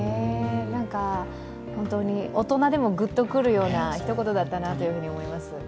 大人でもグッとくるようなひと言だったなと思います。